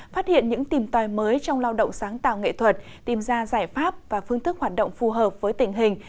phát hiện những tìm tòi mới trong lao động sáng tạo nghệ thuật tìm ra giải pháp và phương thức hoạt động phù hợp với tình hình